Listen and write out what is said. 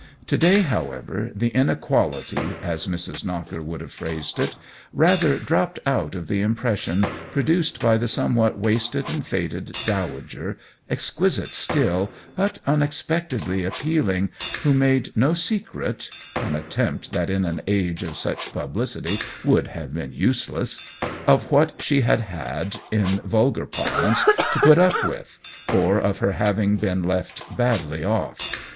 To day, however, the inequality, as Mrs. Knocker would have phrased it, rather dropped out of the impression produced by the somewhat wasted and faded dowager, exquisite still, but unexpectedly appealing, who made no secret (an attempt that in an age of such publicity would have been useless), of what she had had, in vulgar parlance, to put up with, or of her having been left badly off.